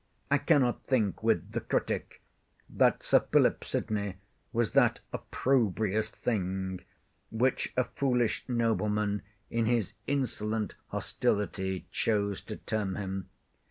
I cannot think with the Critic, that Sir Philip Sydney was that opprobrious thing which a foolish nobleman in his insolent hostility chose to term him.